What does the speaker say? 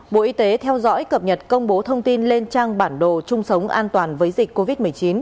bộ y tế theo dõi cập nhật công bố thông tin lên trang bản đồ chung sống an toàn với dịch covid một mươi chín